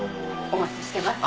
お待ちしてます。